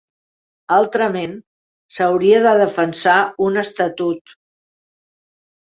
Altrament, s'hauria de defensar un estatut.